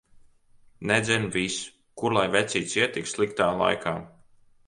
Nedzen vis! Kur lai vecītis iet tik sliktā laika.